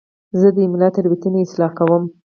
زه د املا تېروتنې اصلاح کوم.